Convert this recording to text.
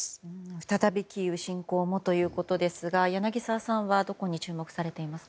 再びキーウ侵攻もということですが柳澤さんはどこに注目ですか？